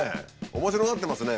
面白がってますね